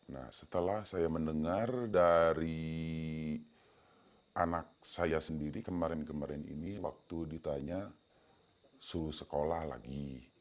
nah setelah saya mendengar dari anak saya sendiri kemarin kemarin ini waktu ditanya suruh sekolah lagi